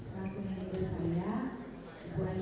saya ingin bertanya kepada dia